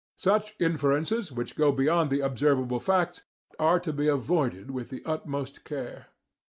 Such inferences, which go beyond the observable facts, are to be avoided with the utmost care.